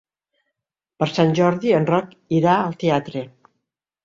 Per Sant Jordi en Roc irà al teatre.